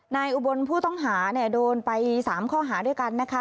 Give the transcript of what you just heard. อุบลผู้ต้องหาโดนไป๓ข้อหาด้วยกันนะคะ